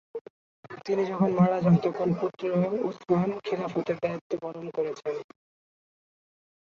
তিনি যখন মারা যান তখন তার পুত্র উসমান খিলাফতের দ্বায়িত্ব পালন করছেন।